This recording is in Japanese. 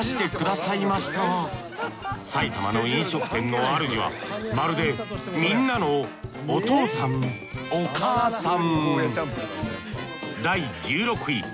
さいたまの飲食店のあるじはまるでみんなのお父さんお母さん